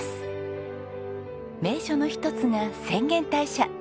名所の一つが浅間大社。